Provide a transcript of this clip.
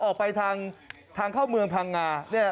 ออกไปทางเข้าเมืองพังงาเนี่ย